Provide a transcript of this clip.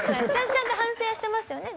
ちゃんと反省はしてますよね。